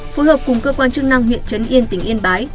phối hợp cùng cơ quan chức năng huyện trấn yên tỉnh yên bái